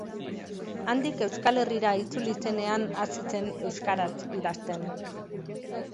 Handik Euskal Herrira itzuli zenean hasi zen euskaraz idazten.